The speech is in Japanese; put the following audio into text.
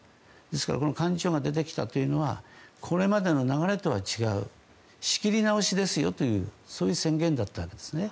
ですから幹事長が出てきたというのはこれまでの流れとは違う仕切り直しですよというそういう宣言だったんですね。